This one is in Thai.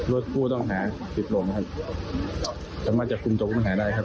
รถกู้ต้องหาติดลมทำไมจะคุมจบไม่หาได้ครับ